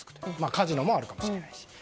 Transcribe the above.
カジノもあるかもしれないし。